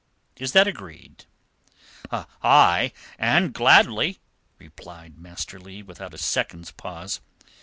Is that agreed?" "Ay, and gladly," replied Master Leigh without a second's pause.